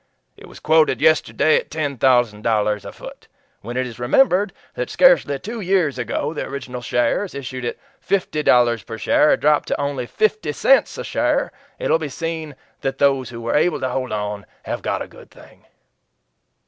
It was quoted yesterday at ten thousand dollars a foot. When it is remembered that scarcely two years ago the original shares, issued at fifty dollars per share, had dropped to only fifty cents a share, it will be seen that those who were able to hold on have got a good thing."